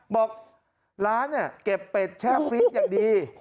บอกร้านเนี่ยเก็บเป็ดแช่ฟรีดอย่างดี